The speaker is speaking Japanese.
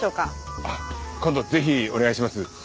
あっ今度ぜひお願いします。